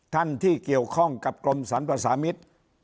ท่านที่เกี่ยวข้องกับกรมสรรพสามิตร